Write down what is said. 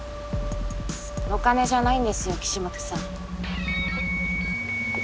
お金じゃないんですよ岸本さん。